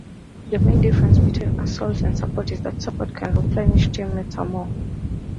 The main difference between Assault and Support is that Support can replenish teammates' ammo.